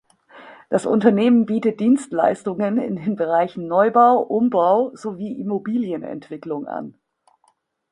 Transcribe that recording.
Das Unternehmen bietet Dienstleistungen in den Bereichen Neubau, Umbau sowie Immobilienentwicklung an.